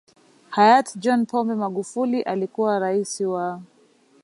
Hayati John Pombe Magufuli aliyekuwa Rais wa